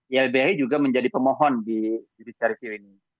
ilbi juga menjadi pemohon di judisi hari ini